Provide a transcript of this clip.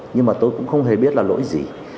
nhưng mà tôi cũng không hề biết là lỗi gì